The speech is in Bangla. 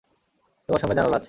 তোমার সামনে জানালা আছে।